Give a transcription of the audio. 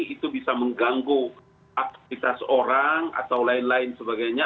itu bisa mengganggu aktivitas orang atau lain lain sebagainya